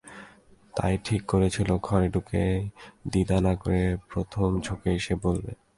তাই ঠিক করেছিল, ঘরে ঢুকেই দ্বিধা না করে প্রথম ঝোঁকেই সে বলবে।